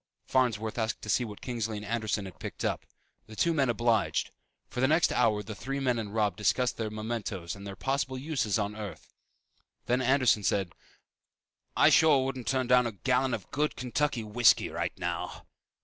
Farnsworth asked to see what Kingsley and Anderson had picked up. The two men obliged. For the next hour the three men and Robb discussed the mementoes and their possible uses on Earth. Then Anderson said, "I sure wouldn't turn down about a gallon of good Kentucky whiskey right now!"